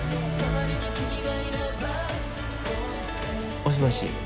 もしもし。